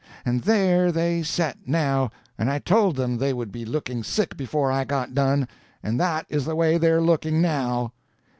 And there they set, now, and I told them they would be looking sick before I got done, and that is the way they're looking now.